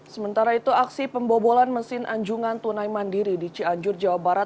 sementara itu aksi pembobolan mesin anjungan tunai mandiri di cianjur jawa barat